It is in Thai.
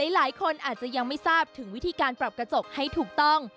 หลายคนอาจจะยังไม่ทราบถึงวิธีการปรับกระจกให้ถูกต้อง